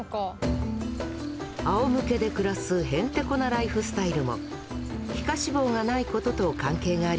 あおむけで暮らすへんてこなライフスタイルも皮下脂肪がないことと関係があります。